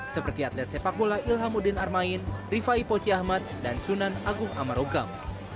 seperti atlet sepak bola ilhamuddin armain rifai poci ahmad dan sunan agung amarogam